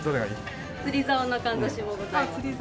釣りざおのかんざしもございます。